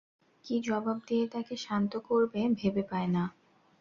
কি জবাব দিয়ে তাকে শান্ত করবে ভেবে পায় না।